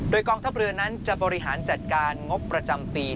โดยกองทัพเรือนั้นจะบริหารจัดการงบประจำปี